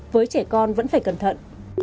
với trẻ con vẫn phải cẩn thận